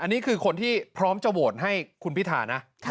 อันนี้คือคนที่พร้อมจะโหวตให้คุณพิธานะ